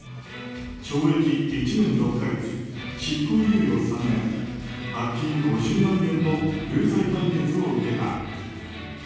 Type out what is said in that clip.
懲役１年６か月、執行猶予３年罰金５０万円の有罪判決を受けた。